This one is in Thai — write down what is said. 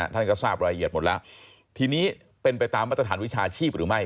ท่านก็ทราบรายละเอียดหมดแล้วทีนี้เป็นไปตามมาตรฐานวิชาชีพหรือไม่